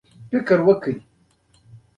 فکر وکړئ